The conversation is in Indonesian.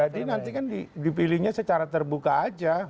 jadi nanti kan dipilihnya secara terbuka aja